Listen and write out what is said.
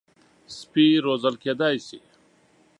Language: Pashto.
سپي روزل کېدای شي.